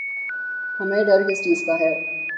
ہمیں ڈر کس چیز کا ہے؟